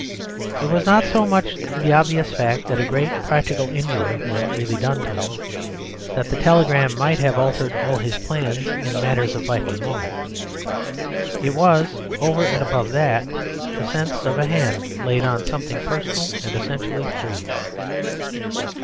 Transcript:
It was not so much the obvious fact that a great practical injury was really done to him; that the telegram might have altered all his plans in matters of vital moment. It was, over and above that, the sense of a hand laid on something personal and essentially free.